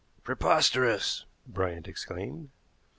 "Preposterous!" Bryant exclaimed.